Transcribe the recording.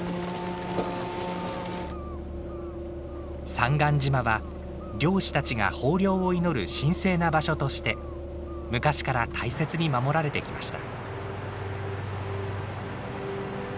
三貫島は漁師たちが豊漁を祈る神聖な場所として昔から大切に守られてきました。